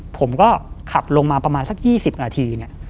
ผมก็ขับลงมาประมาณสัก๒๐นาทีเนี่ย